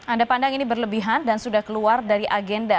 anda pandang ini berlebihan dan sudah keluar dari agenda